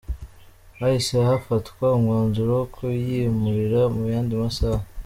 Hahise hafatwa umwanzuro wo kuyimurira mu yandi masaha.